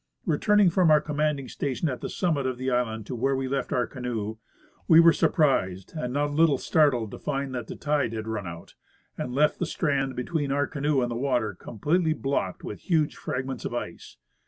Returning from our commanding station at the summit of the island to where we left our canoe, we were surjorised and not a little startled to find that the tide had run out and left the strand between our canoe and the water completely blocked with huge fragments of ice.